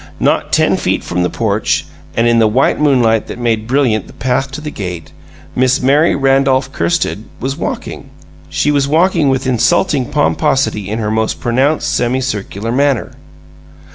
Not ten feet from the porch and in the white moonlight that made brilliant the path to the gate Miss Mary Randolph Kirsted was walking. She was walking with insulting pomposity in her most pronounced semicircular manner.